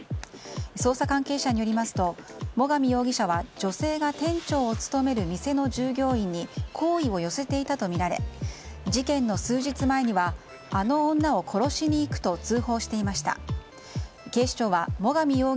捜査関係者によりますと最上容疑者は女性が店長を務める店の従業員に好意を寄せていたとみられ事件の数日前にはあの女を殺しに行くと通報していました。